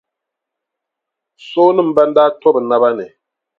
Soonima ban daa to bɛ naba ni.